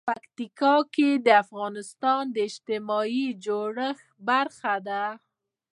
پکتیا د افغانستان د اجتماعي جوړښت برخه ده.